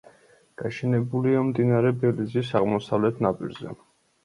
გაშენებულია მდინარე ბელიზის აღმოსავლეთ ნაპირზე.